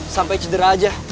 sampai cedera aja